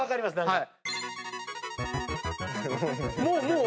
はい！